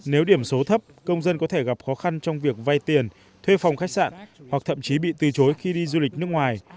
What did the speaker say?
nếu điểm số thấp công dân có thể gặp khó khăn trong việc vay tiền thuê phòng khách sạn hoặc thậm chí bị từ chối khi đi du lịch nước ngoài